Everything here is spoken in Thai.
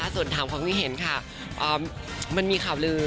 ส่วนถามความคิดเห็นค่ะมันมีข่าวลือ